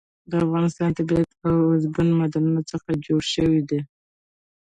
د افغانستان طبیعت له اوبزین معدنونه څخه جوړ شوی دی.